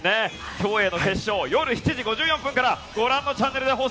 競泳の決勝、夜７時５４分からご覧のチャンネルで。